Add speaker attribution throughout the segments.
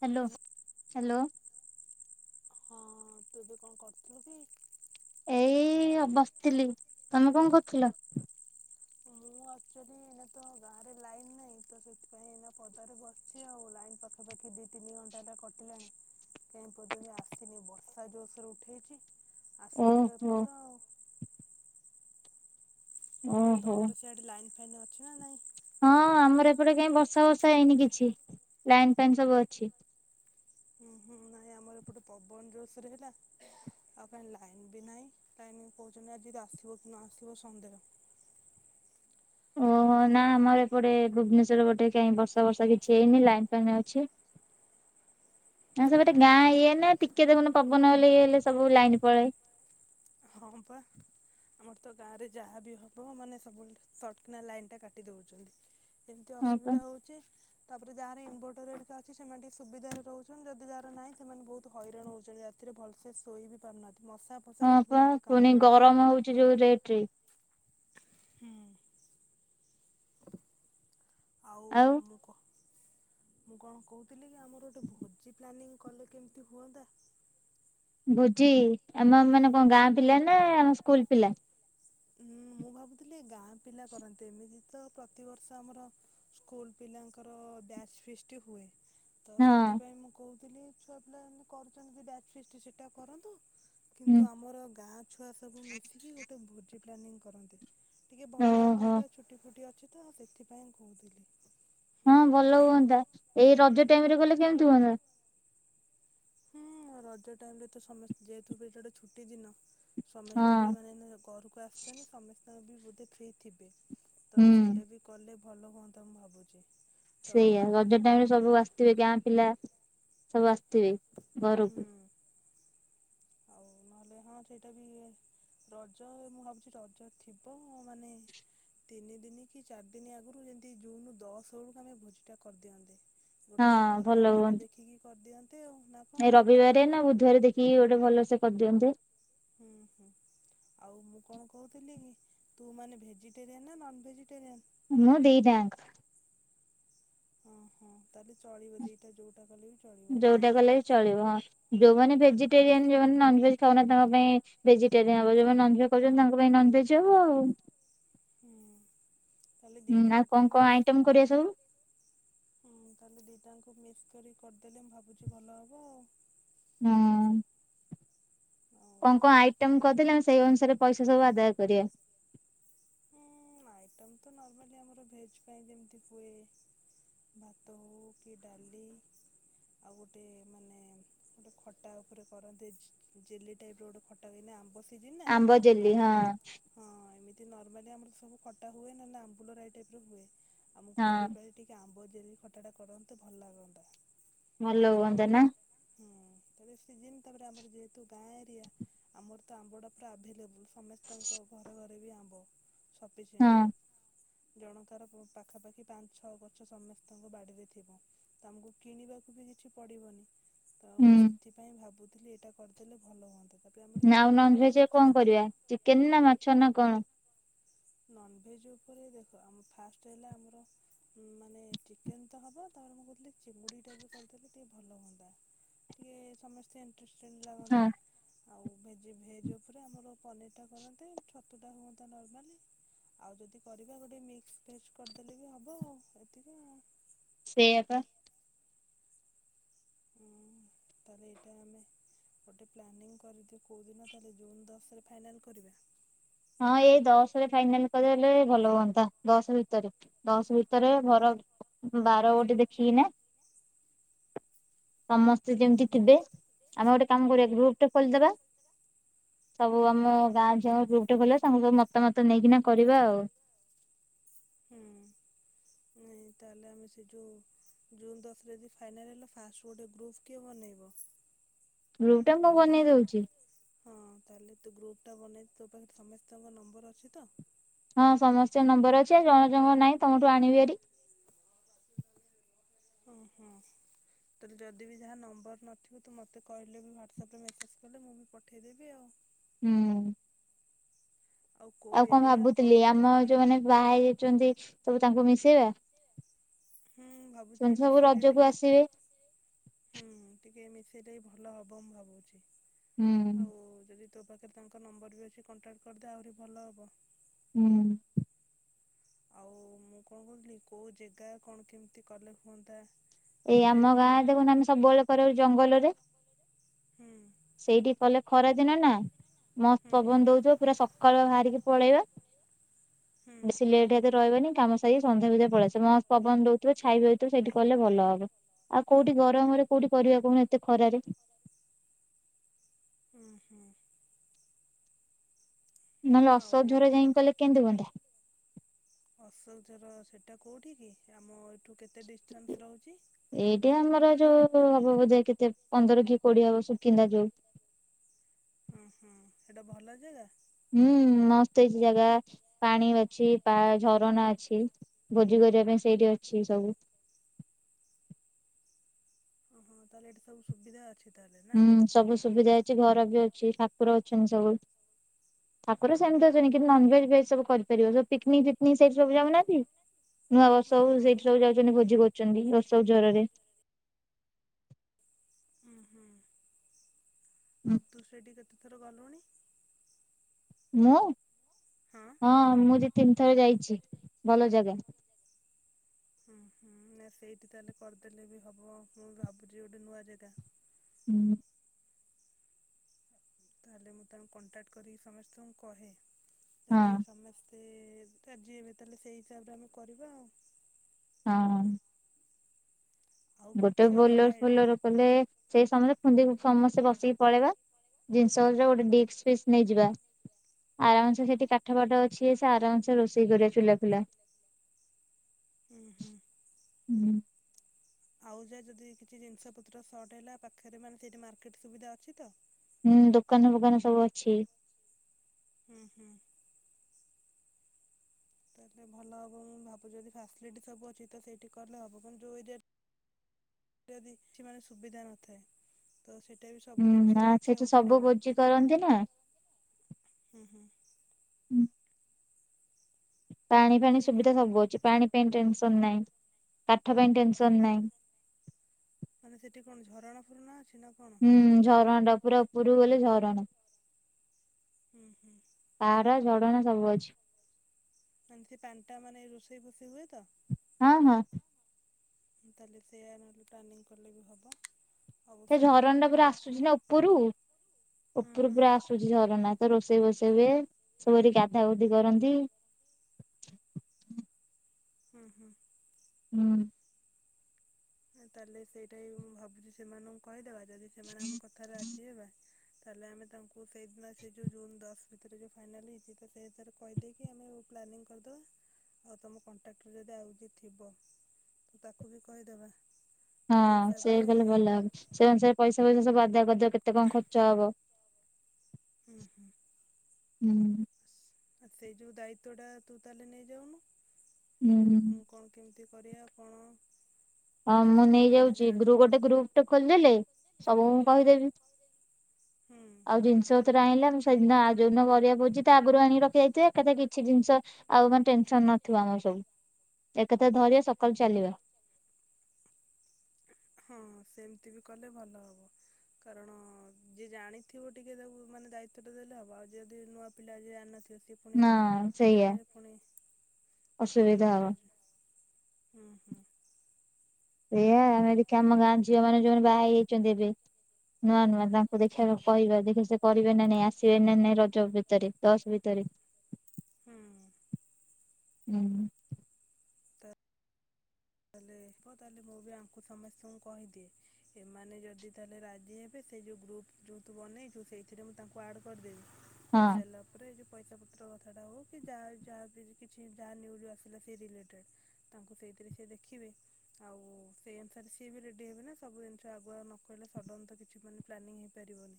Speaker 1: Hello, hello.
Speaker 2: ହଁ ତୁ ଏବେ କଣ କରୁଥିଲୁ କି?
Speaker 1: ଏଇ ବସିଥିଲି, ତମେ କଣ କରୁଥିଲ?
Speaker 2: ମୁଁ ଆକ୍ଚୁଆଲି ଏଇନା ତ ଗାଁରେ ଲାଇନ ନାହିଁ ତ ସେଥିପାଇଁ ଏଇନା ପଦାରେ ବସିଛି ଆଉ ଲାଇନ ପାଖ ପାଖାପାଖି ଦି ତିନି ଘଣ୍ଟା ହେଲା କଟିଲାଣି କାହିଁ ଏପଦ ଆସିନି ବର୍ଷା ଜୋରସେ ଉଠେଇଚି। ଆସିନି ତ
Speaker 1: ଓହୋ
Speaker 2: ଏପର୍ଯ୍ୟନ୍ତ ଆଉ। ଆଉ
Speaker 1: ଓହୋ
Speaker 2: ତମର ସିଆଡେ ଲାଇନ ଫାଇନ୍ ଅଛି ନା ନାଇଁ?
Speaker 1: ହଁ ଆମର ଏପଟେ କାହିଁ ବର୍ଷା ବର୍ଷା ହେଇନି କିଛି ଲାଇନ ଫାଇନ୍ ସବୁ ଅଛି।
Speaker 2: ହୁଁ ହୁଁ ନାଇଁ ଆମର ଏପଟେ ପବନ ଯୋରସୋର ହେଲା। ତା ପାଇଁ ଲାଇନ ବି ନାହିଁ ଲାଇନ କହୁଛନ୍ତି ଆଜି ଯଦି ଆସିବ କି ନ ଆସିବ ସନ୍ଦେହ।
Speaker 1: ଓହୋ
Speaker 2: [inaudible] ଁ
Speaker 1: ନା ଆମର ଏପଟେ ଭୁବନେଶ୍ଵର ପଟେ କାଇ ବର୍ଷା ବର୍ଷା କିଛି ହେଇନି ଲାଇନ ଫାଇନ୍ ଅଛି।
Speaker 2: [inaudible]
Speaker 1: ହଁ ସେ ପଟେ ଗାଁ ଇଏ ନା ଟିକେ ଦେଖୁନ ପବନ ହେଲେ ଇଏ ହେଲେ ସବୁ ଲାଇନ ପଳାଏ।
Speaker 2: ହଁ ପା। ଆମରତ ଗାଁରେ ଯାହାବି ହବ ମାନେ ସବୁବେଳେ ସର୍ଟ କିନା ଲାଇନଟା କାଟି ଦେଉଚନ୍ତି। ଏମିତି
Speaker 1: ହଁ ପା।
Speaker 2: ଅସୁବିଧା ହଉଚି। ତାପରେ ଯାହାର ଇନଭର୍ଟର ଏରିକା ଅଛି ସେମାନେ ଟିକେ ସୁବିଧାରେ ରହୁଚନ୍ତି ଯଦି ଯାହାର ନାହିଁ ସେମାନେ ବହୁତ୍ ହଇରାଣ ହଉଚନ୍ତି ରା ରାତିରେ ଭଲସେ ଶୋଇବି ପାରୁନାହାନ୍ତି ମଶା ଫସା
Speaker 1: ହଁ ପା
Speaker 2: ସବୁ
Speaker 1: ପୁଣି
Speaker 2: କାମୁଡ଼ୁଛନ୍ତି।
Speaker 1: ଗରମ ହଉଚି ଯୋଉ ରେଟରେ
Speaker 2: ହୁଁ। ଆଉ ମୁଁ କ ମୁଁ କଣ କହୁଥିଲିକି ଆମର ଗୋଟେ ଭୋଜି ପ୍ଲାନିଂ କଲେ କେମିତି ହୁଅନ୍ତା?
Speaker 1: ଭୋଜି ଆମ ମାନେ କଁ ଗାଁ ପିଲାନା ଆମ ସ୍କୁଲ୍ ପିଲା?
Speaker 2: ହୁଁ ମୁଁ ଭାବୁଥିଲି ଗାଁ ପିଲା କରନ୍ତେ ଏମିତି ତ ପ୍ରତିବର୍ଷ ଆମର ସ୍କୁଲ୍ ପିଲାଙ୍କର ବ୍ୟାଚ୍ ଫିଷ୍ଟ ହୁଏ। ତ
Speaker 1: ହଁ
Speaker 2: ସେଥିପାଇଁ ମୁଁ କହୁଥିଲି ଛୁଆ ପିଲା ଏମିତି କରୁଚନ୍ତି ବ୍ୟାଚ୍ ଫିଷ୍ଟ ସେଟା କରନ୍ତୁ।
Speaker 1: ହୁଁ
Speaker 2: କିନ୍ତୁ ଆମର ଗାଁ ଛୁଆ ସବୁ ମିଶିକି ଗୋଟେ ଭୋଜି ପ୍ଲାନିଂ କରନ୍ତେ। ଟିକେ ଭଲ
Speaker 1: ଓହୋ
Speaker 2: ଲାଗନ୍ତା ଛୁଟି ଫୁଟି ଅଛିତ ସେଥିପାଇଁ କହୁଥିଲି।
Speaker 1: ହଁ ଭଲ ହୁଅନ୍ତା, ଏଇ ରଜ ଟାଇମରେ ଗଲେ କେମିତି ହୁଅନ୍ତା?
Speaker 2: ହଁ, ରଜ ଟାଇମରେତ ସମସ୍ତେ ଯେହେତୁ ଏବେ ଏଟା ଗୋଟେ ଛୁଟି ଦିନ ସମସ୍ତେବି
Speaker 1: ହଁ
Speaker 2: ମାନେ ଏଇନା ଘର କୁ ଆସଚନ୍ତି, ସମସ୍ତେବି ବୋଧେ ଫ୍ରି ଥିବେ
Speaker 1: ହୁଁ।
Speaker 2: ତସେଇଟାବି କଲେ ଭଲ ହୁଅନ୍ତା ମୁଁ ଭାବୁଚି।
Speaker 1: ସେଇଆ ରଜ ଟାଇମରେ ସବୁ ଆସିଥିବେ ଗାଁ ପିଲା, ସବୁ ଆସିଥିବେ ଘରକୁ
Speaker 2: ହୁଁ ଆଉ ନହେଲେ, ହଁ ସେଇଟାବି ରଜ, ମୁଁ ଭାବୁଚି ରଜ ଥିବ ମାନେ ତିନି ଦିନିକି ଚାରି ଦିନି ଆଗରୁ ଯେମିତି ଜୁନ୍ ଦଶ ବେଳକୁ ଆମେ ଭୋଜିଟା କରିଦିଅନ୍ତେ।
Speaker 1: ହଁ
Speaker 2: ଗୋଟେ ଭଲ ବାର ଦେଖିକି କରିଦିଅନ୍ତେ ଆଉ ନା
Speaker 1: ନାଇଁ
Speaker 2: କଣ
Speaker 1: ରବିବାରେନା ବୁଧୁବାରେ ଦେଖିକି ଗୋଟେ ଭଲସେ କରିଦିଅନ୍ତେ।
Speaker 2: ହୁଁ, ହୁଁ। ଆଉ ମୁଁ କଣ କହୁଥିଲିକି, ତୁ ମାନେ ଭେଜିଟେରିଆନ୍ ନା ନନ୍ ଭେଜିଟେରିଆନ୍?
Speaker 1: ମୁଁ, ଦିଇଟା ଆଁଙ୍କ।
Speaker 2: ଓ ହଁ, ତାହେଲେ ଚଳିବ ଦିଟା ଯୋଉଟା କଲେବି
Speaker 1: ଯୋଉଟା କଲେବି ଚଳିବ ହଁ, ଯୋଉମାନେ ଭେଜିଟେରିଆନ୍ ଯୋଉମାନେ ନନ୍ ଭେଜ୍ ଖାଉନାହାନ୍ତି ତାଙ୍କ ପାଇଁ ଭେଜିଟେରିଆନ୍ ହବ, ଯୋଉମାନେ ନନ୍ ଭେଜ୍ ଖାଉଚନ୍ତି ତାଙ୍କ ପାଇଁ ନନ୍ ଭେଜ୍ ହବ ଆଉ।
Speaker 2: ହୁଁ ତାହେଲେ
Speaker 1: ହୁଁ, ଆଉ କଁ
Speaker 2: ଦିଟାଙ୍କ
Speaker 1: କଁ ଆଇଟମ୍ କରିବା ସବୁ?
Speaker 2: ହୁଁ, ତାହେଲେ ଦିଟାଙ୍କ ମିିକ୍ସ କରି କରିଦେଲେ ମୁଁ ଭାବୁଚି ଭଲ ହବ ଆଉ।
Speaker 1: ହୁଁ। କଁ,
Speaker 2: ଆଉ
Speaker 1: କଁ ଆଇଟମ୍ କରିଦେଲେ ଆମେ ସେଇ ଅନୁସାରେ ପଇସା ସବୁ ଆଦାୟ କରିବା।
Speaker 2: ଆଇଟମତ, ନର୍ମାଲି ଆମର ଭେଜ୍ ପାଇଁ ଯେମିତି ହୁଏ ଭାତ ହଉକି ଡାଲି ଆଉ ଗୋଟେ ମାନେ ଗୋଟେ ଖଟା ଉପରେ କରନ୍ତି ଜେଲି ଟାଇପର ଗୋଟେ ଖଟା ହୁଏନା ଆମ୍ବ ସିଜିନ୍ ନା,
Speaker 1: ଆମ୍ବ ଜେଲି
Speaker 2: ତଆମେ
Speaker 1: ହଁ
Speaker 2: ହଁ, ଏମିତି ନର୍ମାଲି ଆମର ସବୁ ଖଟା ହୁଏ ନହେଲେ ଆମ୍ବୁଲ ରାଇ ଟାଇପ୍ର ହୁଏ ଆଉ ମୁଁ
Speaker 1: ହଁ।
Speaker 2: କହୁଚି ଏଇପାଳି ଟି ଆମ୍ବ ଜେଲି ଖଟାଟା କରନ୍ତେ ଭଲ ଲାଗନ୍ତା,
Speaker 1: ଭଲ
Speaker 2: ଆଉ
Speaker 1: ହୁଅନ୍ତା ନା
Speaker 2: ହୁଁ, ଏବେ ସିଜିନ୍ ତାପରେ ଆମର ଯେହେତୁ ଗାଁ ଏରିଆ ଆମରତ ଆମ୍ବ ଅଡ଼ା ପୁରା ଆଭେଲେବୁଲ୍। ସମସ୍ତଙ୍କ ଘରେ ଘରେବି ଆମ୍ବ,
Speaker 1: ହଁ
Speaker 2: ସପିସେଣ୍ଟ। ଜଣକାର ଭ ପାଖାପାଖି ପାଞ୍ଚ ଛଅ ଗଛ ସମସ୍ତଙ୍କ ବାଡ଼ିରେ ଥିବ। ତ ଆମକୁ କିଣିବାକୁବି କିଛି ପଡ଼ିବନି। ତ ମୁଁ
Speaker 1: ହୁଁ
Speaker 2: ସେଥିପାଇଁ ଭାବୁଥିଲି ଏଇଟା କରିଦେଲେ ଭଲ ହୁଅନ୍ତା। ତାପରେ ଆମର ଛୁଆ
Speaker 1: ଆଉ
Speaker 2: ବି
Speaker 1: ନନ୍ ଭେଜ୍
Speaker 2: ବହୁତ
Speaker 1: ରେ କଣ
Speaker 2: ଅଛନ୍ତି
Speaker 1: କରିବା, ଚିକେନ୍ ନା ମାଛ ନା କଣ?
Speaker 2: ନନ୍ ଭେଜ୍ ଉପରେ ଦେଖ, ଆମ ଫାଷ୍ଟ ହେଲା ଆମ ମାନେ ଚିକେନ଼ ତ ହବ, ତାପରେ ମୁଁ କହୁଥିଲି ଚିଙ୍ଗୁଡ଼ି ଟା ବି କରିଦେଲେ ଟିକେ ଭଲ ହୁଅନ୍ତା। ଟିକେ ସମସ୍ତେ ଇଣ୍ଟ୍ରେଷ୍ଟେଡ୍
Speaker 1: ହଁ
Speaker 2: ଲାଗନ୍ତା। ଆଉ ଭେଜି ଭେଜ୍ ଉପରେ, ଆମର ପନିର୍ ଟା କରନ୍ତେ ଛତୁଟା ହୁଅନ୍ତା ନର୍ମାଲି। ଆଉ ଯଦି କରିବା, ଗୋଟେ ମିକ୍ସ ଭେଜ କରିଦେଲେ ବି ହବ ଏତିକି ଆଉ।
Speaker 1: ସେଇଆ ବା।
Speaker 2: ହୁଁ, ତାହେଲେ ଏଇଟା ଆମେ ଗୋଟେ ପ୍ଲାନିଂ କରିକି କୋଉ ଦିନ ତାହେଲେ ଜୁନ୍ ଦଶ ରେ ଫାଇନାଲ୍ କରିବା?
Speaker 1: ହଁ, ଏଇ ଦଶରେ ଫାଇନାଲ କରଦେଲେ ଭଲ ହୁଅନ୍ତା ଦଶ ଭିତରେ। ଦଶ ଭିତରେ ବରଂ ବାର ଗୋଟେ ଦେଖିକି ନା ସମସ୍ତେ
Speaker 2: ହୁଁ
Speaker 1: ଯେମିତି ଥିବେ, ଆମେ ଗୋଟେ କାମ କରିବା ଗ୍ରୁପ୍ ଟେ ଖୋଲିଦେବା ସବୁ
Speaker 2: ହୁଁ।
Speaker 1: ଆମ ଗାଁ ଝିଅ ଯୋଉ ଗ୍ରୁପ୍ ଟେଖୋଲିବା ସାଙ୍ଗ ସବୁ ମତାମତ ନେଇକିନା କରିବା ଆଉ।
Speaker 2: ହୁଁ। ନା ତାହେଲେ ଆମେ ସେ ଯୋଉ ଜୁନ୍ ଦଶ ରେ ଯଦି ଫାଇନାଲ୍ ହେଲା, ଫାଷ୍ଟ ରୁ ଗୋଟେ ଗୃପ୍ କିଏ ବନେଇବ?
Speaker 1: ଗ୍ରୁପ ଟା ମୁଁ
Speaker 2: ଜଣେ
Speaker 1: ବନେଇ ଦଉଛି
Speaker 2: ହଁ, ତାହେଲେ ତୁ ଗ୍ରୁପ ଟା ବନେଇଦେ ତୋ ପାଖରେ ସମସ୍ତଙ୍କ ନମ୍ବର ଅଛି ତ?
Speaker 1: ହଁ, ସମସ୍ତଙ୍କ ନମ୍ବର ଅଛି ଆଉ ଜଣ ଜଣଙ୍କ ନାଇଁ ତମଠୁ ଆଣିବି ଭାରି।
Speaker 2: ଓ, ହୁଁ। ଯଦି ଯାହା ନମ୍ବର ନଥିବ ତ ମତେ କହିଲେ ବି ହ୍ୱଡସପ୍ ରେ ମେସେଜ୍ କଲେ ମୁଁ ବି ପଠେଇଦେବି ଆଉ।
Speaker 1: ହୁଁ
Speaker 2: କୋଉ
Speaker 1: ଆଉ କଣ
Speaker 2: ଏରିଆ କ
Speaker 1: ଭାବୁଥିଲି ଆମ ଯୋଉମାନେ ବାହା ହେଇ ଯାଉଛନ୍ତି ସବୁ ତାଙ୍କୁ ମିଶେଇବା?
Speaker 2: ହୁଁ ଭାବୁଛି
Speaker 1: ସେମାନେ ସବୁ
Speaker 2: ମିଶେଇଲେ
Speaker 1: ରଜକୁ
Speaker 2: ଟିକେ
Speaker 1: ଆସିବେ
Speaker 2: ହୁଁ ଟିକେ ମିଶେଇଲେ ବି ଭଲ ହବ ମୁଁ ଭାବୁଛି
Speaker 1: ହୁଁ
Speaker 2: ଆଉ ଯଦି ତୋ ପାଖରେ ତାଙ୍କ ନମ୍ବର ବି ଅଛି କଣ୍ଟା କରିଦେ ଆହୁରି ଭଲ ହବ।
Speaker 1: [inaudible]
Speaker 2: ଆଉ ମୁଁ କଣ କହୁଥିଲି କୋଉ ଜାଗା କଣ କେମିତି କଲେ ହୁଅନ୍ତା?
Speaker 1: ଏଇ
Speaker 2: ସେଇଟା
Speaker 1: ଆମ
Speaker 2: ବି ପୁଣି
Speaker 1: ଗାଁରେ ଦେଖୁନୁ ଆମେ ସବୁବେଳେ କର ଜଙ୍ଗଲରେ।
Speaker 2: ହୁଁ।
Speaker 1: ସେଇଠି କଲେ ଖରା ଦିନ ନା ମସ୍ତ
Speaker 2: ହୁଁ
Speaker 1: ପବନ ଦୋଉଥିବ। ପୁରା ସକାଳୁ ବାହାରିକି ପଳେଇବା,
Speaker 2: ହୁଁ
Speaker 1: ବେଶୀ ଲେଟ୍ ହେତ ରହିବନି କାମ ସେଇ ସନ୍ଧ୍ୟାଧେ ପଳେଇ ଆସିବା ମସ୍ତ ପବନ ଦୋଉଥିବ ଛାଇ ରହିଥିବ ସେଠି କଲେ ଭଲ ହବ। ଆଉ କୋଉଠି ଗରମରେ କୋଉଠି କରିବା କହୁନ ଏତେ ଖରାରେ।
Speaker 2: ହଁ ହୁଁ।
Speaker 1: ନହେଲେ ଅଶୋକ
Speaker 2: ଆଉ
Speaker 1: ଝର ଯାଇକି କଲେ କେମି ହୁଅନ୍ତା?
Speaker 2: ଅଶୋକ ଝର ସେଟା କୋଉଠି କି ଆମ ଏଇଠୁ କେତେ ଡିଷ୍ଟାନ୍ସ ରହୁଛି?
Speaker 1: ଏଇଟା ଆମର ଯୋଉ ହବ ବୋଧେ କେତେ ପନ୍ଦର କି କୋଡିଏ ହବ ସୁୁକିନ୍ଦା ଯୋଉ।
Speaker 2: ଉ ହୁ ସେଇଟା ଭଲ ଜେଗା?
Speaker 1: ହୁଁ ମସ୍ତ ହେଇଛି ଜାଗା ପାଣି ଅଛି ଝରଣା ଅଛି। ଭୋଜି କରିବା ପାଇଁ ସେଇଠି ଅଛି ସବୁ।
Speaker 2: ଓହଁ ତାହେଲେ ହେଇଠି ସବୁ ସୁବିଧା ଅ
Speaker 1: ହୁଁ ସବୁ ସୁବିଧା ଅଛି ଘର ବି ଅଛି ଠାକୁର ଅଛନ୍ତି ସବୁ। ଠାକୁର ସେମିତି ଅଛନ୍ତିି କିନ୍ତୁ ନନଭେଜ୍ ଭେଜ୍ବୁ କରିପାରିବ ପିକନିକ୍ ଫିକିକ ସେଇ ସବୁ ଯାଉନାହାନ୍ତି। ନୂଆ ବର୍ଷ ହଉ
Speaker 2: ଓହୋ
Speaker 1: ସେଇଠି ସବୁ ଯାଉଛନ୍ତି ଭୋଜି କରୋୁଛନ୍ତି ଆସୋକ ଝର ରେ।
Speaker 2: ହୁଁ ହୁଁ ଆଉ ତୁ ସେଠୀ କେତେ ଥର ଗଲୁଣି?
Speaker 1: ମୁଁ ହଁ ମୁଁ ଜି ତିନିଥର ଯାଇଚି ଭଲ ଜାଗା।
Speaker 2: ଉ ହୁଁ ନା ସେଇଠି ତାହେଲେ କରିଦେଲେ ବି ହବ ମୁଁ ଭାବୁଛି ଗୋଟେ ନୂଆ ଜାଗା।
Speaker 1: ଉଁ
Speaker 2: ତାହେଲେ ମୁଁ ତାଙ୍କୁ କଣ୍ଟାକ୍ଟ କରିକି ସମସ୍ତଙ୍କୁ କହେ ଯଦି
Speaker 1: ହଁ
Speaker 2: ସମସ୍ତେ ତେ ରାଜିହେବେ ତାହେଲେ ସେଇ ହିସାବରେ ଆମେ କରିବା ଆଉ।
Speaker 1: ହଁ।
Speaker 2: ଆଉ
Speaker 1: ଗୋଟେ
Speaker 2: କିଛି
Speaker 1: ବୋଲର
Speaker 2: ଅଲଗା
Speaker 1: ଫୋଲର କଲେ ସେଇ ସମସ୍ତେ ଖୁନ୍ଦି ସମସ୍ତେ ବସିକି ପଳେଇବା। ଜିନିଷ ପତ୍ର ଗୋଟେ ଡିସ୍କ ପିସ୍ ନେଇଯିବା। ଆରାମସେ ସେଇଠି କାଠ ପାଠ ଅଛି ସେ ଆରାମସେ ରୋଷେଇ କରିବା ଚୁଲା ଫୁଲା।
Speaker 2: [inaudible] ଉଁ ହୁଁ।
Speaker 1: ହୁଁ।
Speaker 2: ଆଉ ଯାହା ଯଦି କିଛି ଜିନିଷ ପତ୍ର ସର୍ଟ ହେଲା ପାଖରେ ମାନେ ସେଇଠି ମାର୍କେଟ ସୁବିଧା ଅଛି ତ?
Speaker 1: ହୁଁ ଦୋକାନ ଫୋକାନ ସବୁ ଅଛି।
Speaker 2: ଉଁ ହୁଁ। ତାହେଲେ ଭଲ ହବ ମୁଁ ଭାବୁ ଯଦି ଫାସିଲିଟି ସବୁ ଅଛି ତ ସେଇଠି କଲେ ହବ ମାନେ ଯୋଉ ଏରିଆରେ ଟେରି କିଛି ମାନେ ସୁବିଧା ନଥାଏ। ତ ସେଟା ବି
Speaker 1: ହୁଁ
Speaker 2: ସବୁ
Speaker 1: ନା
Speaker 2: ଜିନିଷରେ
Speaker 1: ସେଠି
Speaker 2: ଦେଖିବାକୁ
Speaker 1: ସବୁ
Speaker 2: ପଡ଼ିବ
Speaker 1: ଭୋଜି କରନ୍ତି ନା।
Speaker 2: ଉଁ ହୁଁ।
Speaker 1: ହ [inaudible] ପାଣି ଫାଣି
Speaker 2: ଠିକ୍
Speaker 1: ସୁବିଧା ସବୁ ଅଛି ପାଣି ପାଇଁ ଟେନସନ ନାଇଁ କାଠ ପାଇଁ ଟେନସନ ନାଇଁ।
Speaker 2: ମାନେ ସେଠି କଣ ଝରଣା ଫରଣା ଅଛି ନା କଣ?
Speaker 1: ହୁଁ ଝରଣ ଟା ପୁରା ଉପୁରୁକୁ ଗଲେ ଝରଣା।
Speaker 2: ଉଁ ହୁଁ।
Speaker 1: ପାହାଡ଼ ଝରଣା ସବୁ ଅଛି।
Speaker 2: ମାନେ ସେ ପାଣ୍ଟା ମାନେ ରୋଷେଇ ଫୋଷେଇ ହୁଏ ତ?
Speaker 1: ହଁ ହଁ।
Speaker 2: ତାହେଲେ ସେୟା ନହେଲେ ଟାର୍ନିଂ କଲେ ବି ହବ।
Speaker 1: ସେ ଝରଣା ଟା ପୁରା ଆସୁଛି ନା ଉପୁରୁ
Speaker 2: ହୁଁ
Speaker 1: ଓପୁରୁ
Speaker 2: ହୁଁ।
Speaker 1: ପୁରା ଆସୁ ସୁଚି ଝରଣା ତ ରୋଷେଇ ବୋଷେଇ ହୁଏ ସବୁ ଏଠି ଗାଧା ଉଧି କରନ୍ତି।
Speaker 2: ଉଁ ହୁଁ।
Speaker 1: ହୁଁ।
Speaker 2: ତାହେଲେ ସେଇଟା ହିଁ ମୁଁ ଭାବୁଛି ସେମାନଙ୍କୁ କହିଦବା ଯଦି ସେମାନେ ଆମ କଥାରେ ରାଜି ହେବା ତାହେଲେ ଆମେ ତାଙ୍କୁ ସେଇଦିନ ସେ ଯୋଉ ଜୁନ ଦଶ ଭିତରେ ଯୋଉ ଫାଇନାଲ ହେଇଛି ତ ସେ ହିସାରେ କହିଦେଇକି ଆମେ ପ୍ଲାନିଂ କରିଦବା ଆଉ ତମ କଣ୍ଟାକ୍ଟରେ ଯଦି ଆଉ କିଏ ଥିବ ତାକୁ ବି କହିଦବା।
Speaker 1: ହଁ ସେୟା କଲେ ଭଲ ହବ ସେ ଅନୁସାରେ ପଇସା ଫଇସା ସବୁ ଆଦାୟ କରିଦିଅ କେତେ କଣ ଖର୍ଚ୍ଚ ହବ।
Speaker 2: ଉଁ ହୁଁ।
Speaker 1: ହୁଁ।
Speaker 2: ଆ ସେଇ ଯୋଉ ଦାୟିତ୍ଵଟା ତୁ ତାହେଲେ ନେଇ ଯାଉନୁ ଏଇ ଯୋଉ
Speaker 1: ହୁଁ
Speaker 2: କ କଣ କେମିତି କରିଆ କଣ।
Speaker 1: ହଁ
Speaker 2: ତ
Speaker 1: ମୁଁ
Speaker 2: ସେ ବିଷୟରେ ଏତେ
Speaker 1: ନେଇଯାଉଚି
Speaker 2: ଜାଣେ
Speaker 1: ଗ୍ରୁପ ଗୋଟେ ଗ୍ରୁପ ଟେ ଖୋଲିଦେଲେ ସବୁ ମୁଁ
Speaker 2: ହୁଁ
Speaker 1: କହିଦେବି।
Speaker 2: ହୁଁ।
Speaker 1: ଆଉ ଜିନିଷ ପତ୍ର ଆଣିଲେ ଆମେ ସେଇଦିନ ଆ ଯୋଉଦିନ କରିବା ଭୋଜି ତା ଆଗରୁ ଆଣିକି ରଖି ଦେଇଥିବା ଏକାଥାରେ କିଛି ଜିନିଷ ଆଉ ମାନେ ଟେନସନ୍ ନଥିବ ଆମର ସବୁ ଏକାଥରେ ଧରିବା ସକାଳୁ ଚାଲିବା।
Speaker 2: ହଁ ସେମିତି ବି କଲେ ଭଲ ହବ। କାରଣ ଯିଏ ଜାଣିଥିବ ଟିକିଏ ତାକୁ ମାନେ ଦାୟିତ୍ଵ ଟା ଦେଲେ ହବ ଆଉ ଯଦି ନୂଆ ପିଲା ଯିଏ ଜାଣିିନଥିବ ସି- - ପୁଣି
Speaker 1: ନା
Speaker 2: କଲେ
Speaker 1: ସେଇଆ
Speaker 2: ପୁଣି ଏପଟ
Speaker 1: ଅସୁବିଧା ହବ
Speaker 2: ସେପଟ ହେଉଛି। ଉଁ ହୁଁ।
Speaker 1: ଏଇଆ
Speaker 2: ଆଉ
Speaker 1: ଆମେ ଦେଖିଆ ଆମ ଗାଁ ଝିଅ ମାନେ ଯୋଉମାନେ ବାହା ହେଇ ଯାଇଛନ୍ତି ଏବେ ନୂଆ ନୂଆ
Speaker 2: ହୁଁ।
Speaker 1: ତାଙ୍କୁ ଦେ- - ଖେଳ କହିବା ଦେଖି ସେ କରିବେ ନା ନାଇଁ ଆସିବେ ନା ନାଇଁ ରଜ ଭିତରେ ଦସ୍ ଭିତରେ।
Speaker 2: ହୁଁ।
Speaker 1: ହୁଁ।
Speaker 2: ତ ତାହେଲେ ହବ ତାହେଲେ ମୁଁ ବି ଆଙ୍କୁ ସମସ୍ତଙ୍କୁ କହିଦିଏ। ଏମାନେ ଯଦି ତାହେଲେ ରାଜି ହେବେ ସେ ଯୋଉ ଗ୍ରୁପ୍ ଯୋଉ ତୁ ବନେଇଚୁ ସେଇଥିରେ ମୁଁ ତାଙ୍କୁ ଆଡ଼୍ କରିଦେବି।
Speaker 1: ହଁ
Speaker 2: କରସାଇଲା। ତାପରେ ଯୋଉ ପଇସା ପତ୍ର କଥାଟା ହଉ କି ଯା ଯାହା ବି କିଛି ଯାହା ନ୍ୟୁଜ୍ ଆସିଲା ସେ ରିଲେଟେଡ। ତାଙ୍କୁ ସେଇଥିରେ ସେ ଦେଖିବେ। ଆଉ ସେଇ ଅନୁସାରେ ସିଏ ବି ରେଡି ହେବେ ନା ସବୁ ଜିନିଷ ଆଗୁଆ ନ କହିଲେ ସଡନ ତ କିଛି ମାନେ ପ୍ଲାନିଂ ହେଇ ପାରିବନି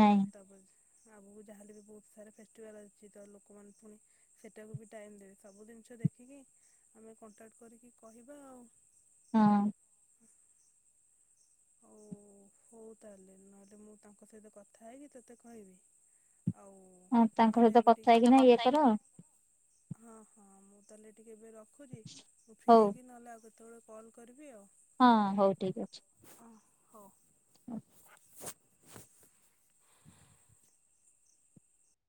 Speaker 2: ଆଉ ତାପରେ ଆଗୁକୁ ଯାହେଲେ ବି ବହୁତ ସାରା ଫେଷ୍ଟିଭାଲ ଅଛି ତ ଲୋକମାନେ ଫୁଣି ସେଟାକୁ ବି ଟାଇମ୍ ଦେବେ ସବୁ ଜିନିଷ ଦେଖିକି ଆମେ କଣ୍ଟାକ୍ଟ କରିକି କହିବା ଆଉ।
Speaker 1: ହଁ।
Speaker 2: ଓ ହଉ ତାହେଲେ ନହେଲେ ମୁଁ ତାଙ୍କ ସହିତ କଥା ହେଇକି ତତେ କହିବି। ଆଉ
Speaker 1: ହଁ
Speaker 2: ମୁଁ
Speaker 1: ତାଙ୍କ
Speaker 2: ତାହେଲେ
Speaker 1: ସହିତ
Speaker 2: ଏବେ ଟି
Speaker 1: କଥା
Speaker 2: ହଁ
Speaker 1: ହେଇକିନା ଇଏ କର
Speaker 2: ହଁ ମୁଁ ତାହେଲେ ଟିକିଏ ଏବେ ରଖୁଚି ମୁଁ ଫ୍ରି
Speaker 1: ହଉ
Speaker 2: ହେଇକି ନହେଲେ ଆଉ କେତେବେଳେ କଲ୍ କରିବି ଆଉ।
Speaker 1: ହଁ ହଉ ଠିକ୍ ଅଛି।
Speaker 2: ଅଁ ହଉ।
Speaker 1: ହଁ।
Speaker 2: [inaudible]